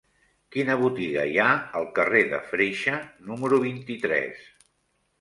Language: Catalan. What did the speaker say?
Quina botiga hi ha al carrer de Freixa número vint-i-tres?